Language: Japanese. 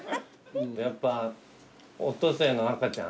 やっぱオットセイの赤ちゃん。